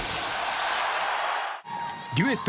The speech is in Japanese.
デュエット